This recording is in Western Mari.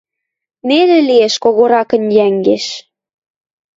Нелӹ лиэш когоракын йӓнгеш.